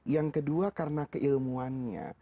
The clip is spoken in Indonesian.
yang kedua karena keilmuannya